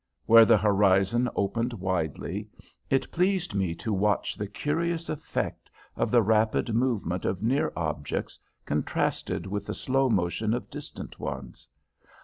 Where the horizon opened widely, it pleased me to watch the curious effect of the rapid movement of near objects contrasted with the slow motion of distant ones.